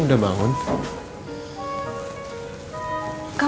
kita di rumah